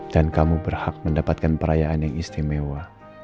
dan kamu berhak mendapatkan perayaan yang istimewa